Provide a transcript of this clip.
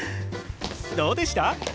どうでした？